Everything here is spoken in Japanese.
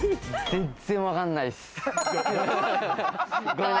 全然わからないです。